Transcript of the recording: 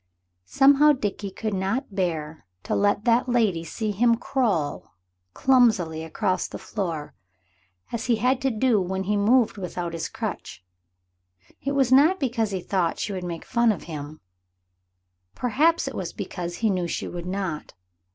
Somehow Dickie could not bear to let that lady see him crawl clumsily across the floor, as he had to do when he moved without his crutch. It was not because he thought she would make fun of him; perhaps it was because he knew she would not.